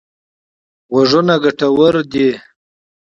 غوږونه ګټور دي.